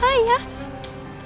tapi tadi ampun yakin